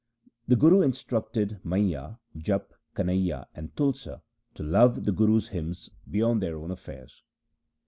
The Guru instructed Maiya, Japa, Kanaiya, and Tulsa to love the Guru's hymns beyond their own affairs.